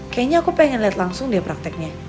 kayaknya aku pengen lihat langsung deh prakteknya